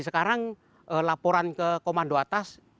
sekarang laporan ke komando atas